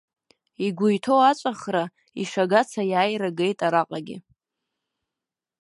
Игәы иҭоу аҵәахра, ишагац аиааира агеит араҟагьы.